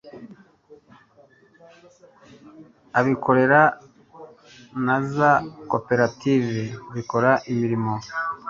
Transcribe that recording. abikorera na za koperative bikora imirimo